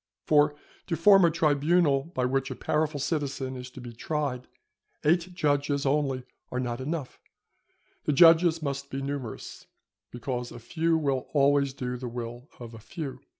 For to form a tribunal by which a powerful citizen is to be tried, eight judges only are not enough; the judges must be numerous, because a few will always do the will of a few.